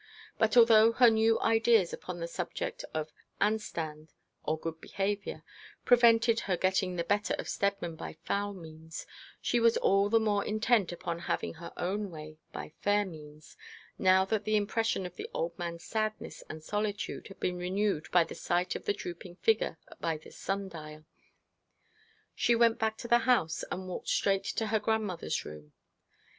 But although her new ideas upon the subject of 'Anstand' or good behaviour prevented her getting the better of Steadman by foul means, she was all the more intent upon having her own way by fair means, now that the impression of the old man's sadness and solitude had been renewed by the sight of the drooping figure by the sundial. She went back to the house, and walked straight to her grandmother's room.